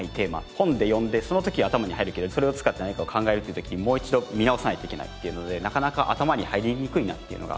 本で読んでその時頭に入るけどそれを使って何かを考えるっていう時にもう一度見直さないといけないっていうのでなかなか頭に入りにくいなっていうのが。